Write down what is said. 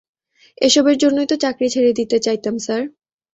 এসবের জন্যই তো চাকরি ছেড়ে দিতে চাইতাম, স্যার।